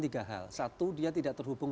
tiga hal satu dia tidak terhubung